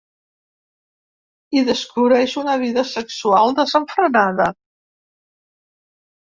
Hi descobreix una vida sexual desenfrenada.